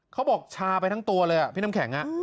เขาบอกชาไปทั้งตัวเลยพี่น้ำแข็ง